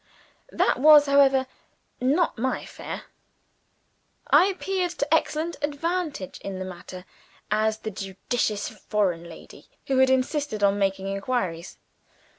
That was, however, not my affair. I appeared to excellent advantage in the matter, as the judicious foreign lady who had insisted on making inquiries.